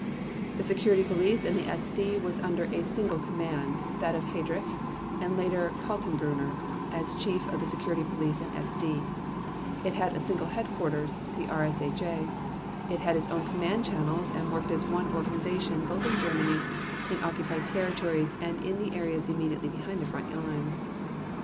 The Security Police and SD was under a single command, that of Heydrich and later Kaltenbrunner, as Chief of the Security Police and SD; it had a single headquarters, the RSHA; it had its own command channels and worked as one organization both in Germany, in occupied territories, and in the areas immediately behind the front lines.